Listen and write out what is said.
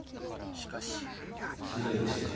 鋭いご指摘で。